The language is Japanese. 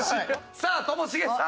さあともしげさん。